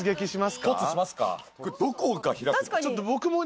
これどこが開くの？